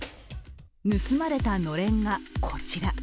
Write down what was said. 盗まれたのれんが、こちら。